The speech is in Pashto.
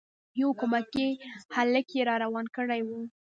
یو کمکی هلک یې روان کړی وو.